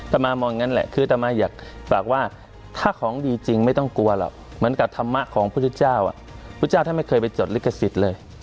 ตระมามองอย่างนั้นแหละถ้าของดีจริงไม่ต้องกลัวเหรอเหมือนกับธรรมะของพระพุทธเจ้าพระพุทธเจ้าถ้าไม่เคยไปจดลิขสิตเลย